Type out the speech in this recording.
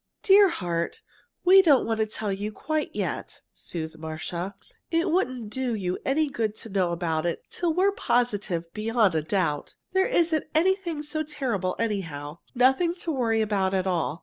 "Dear heart, we don't want to tell you quite yet," soothed Marcia. "It wouldn't do you any good to know about it till we're positive beyond a doubt. It isn't anything so very terrible, anyhow. Nothing to worry about at all.